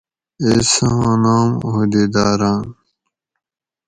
ایس آں ناۤم عہدیداراۤن